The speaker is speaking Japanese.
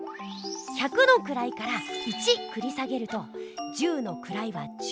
百のくらいから１くり下げると十のくらいは１０。